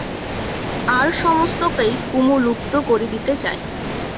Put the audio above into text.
আর-সমস্তকেই কুমু লুপ্ত করে দিতে চায়।